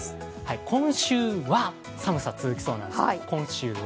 今週は寒さ、続きそうなんです今週は。